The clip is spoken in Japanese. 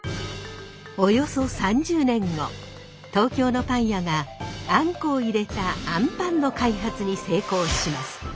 およそ３０年後東京のパン屋があんこを入れたあんぱんの開発に成功します。